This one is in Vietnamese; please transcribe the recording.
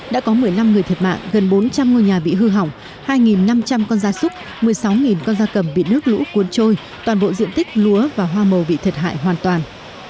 đã có một mươi năm người thiệt mạng gần bốn trăm linh ngôi nhà bị hư hỏng hai năm trăm linh con gia súc một mươi sáu con da cầm bị nước lũ cuốn trôi toàn bộ diện tích lúa và hoa màu bị thiệt hại hoàn toàn